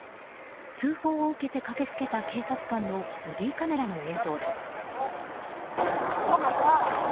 通報を受けて駆け付けた警察官のボディーカメラの映像です。